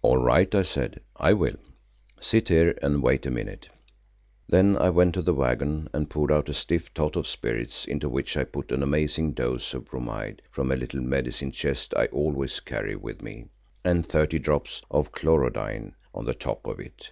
"All right," I said, "I will. Sit here and wait a minute." Then I went to the waggon and poured out a stiff tot of spirits into which I put an amazing dose of bromide from a little medicine chest I always carry with me, and thirty drops of chlorodyne on the top of it.